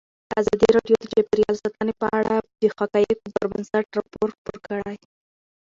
ازادي راډیو د چاپیریال ساتنه په اړه د حقایقو پر بنسټ راپور خپور کړی.